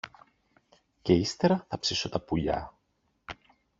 και ύστερα θα ψήσω τα πουλιά